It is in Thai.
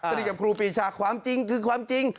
คดีกับครูปีชาความจริงคือความจริง